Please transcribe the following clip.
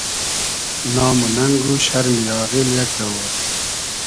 نام و نئنگ و شئرمی آغیل یئگ دئوور